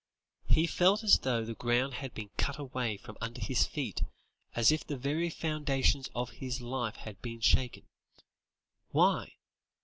He felt as though the ground had been cut away from under his feet, as if the very foundations of his life had been shaken. Why!